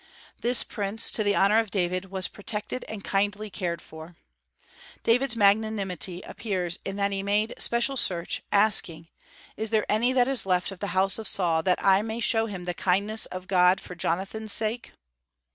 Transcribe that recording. This prince, to the honor of David, was protected and kindly cared for. David's magnanimity appears in that he made special search, asking "Is there any that is left of the house of Saul, that I may show him the kindness of God for Jonathan's sake?"